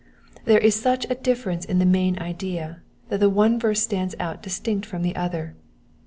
There is such a difference in the main idea that the one verse stands out distinct from the other.